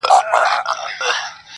د غراب او پنجرې یې سره څه,